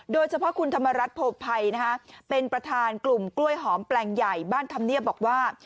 โดยเฉพาะคุณธรรมรัฐโพภัยเป็นประธานกลุ่มกล้วยหอมแปลงใหญ่บ้านธรรมเนียบบอกว่า